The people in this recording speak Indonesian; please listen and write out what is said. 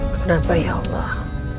kenapa ya allah